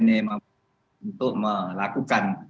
niemang untuk melakukan